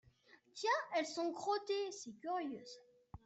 Tiens ! elles sont crottées !… c’est curieux, ça !…